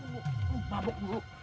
lo liat tuh siapa tuh dia